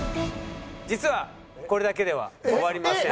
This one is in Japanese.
実はこれだけでは終わりません。